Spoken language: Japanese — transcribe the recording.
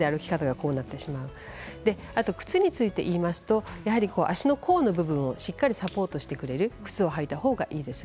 靴について言いますと足の甲の部分をしっかりサポートしてくれる靴を履いたほうがいいです。